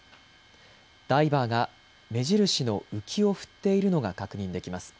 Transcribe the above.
ダイバーが目印の浮きを振っているのが確認できます。